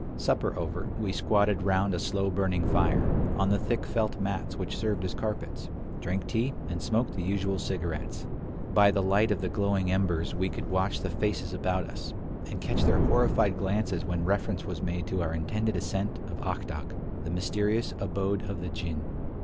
Supper over, we squatted round a slow burning fire, on the thick felt mats which served as carpets, drank tea, and smoked the usual cigarettes. By the light of the glowing embers we could watch the faces about us, and catch their horrified glances when reference was made to our intended ascent of Ak Dagh, the mysterious abode of the jinn.